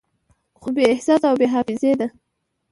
خو بې احساسه او بې حافظې ده